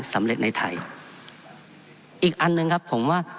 สำเร็จในไทยอีกอันหนึ่งครับผมว่า